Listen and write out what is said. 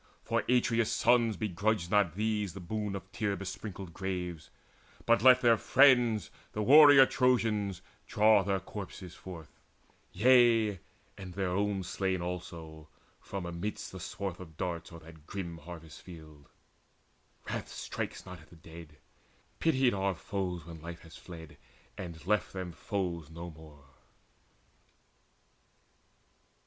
For Atreus' sons begrudged not these the boon Of tear besprinkled graves, but let their friends, The warrior Trojans, draw their corpses forth, Yea, and their own slain also, from amidst The swath of darts o'er that grim harvest field. Wrath strikes not at the dead: pitied are foes When life has fled, and left them foes no more.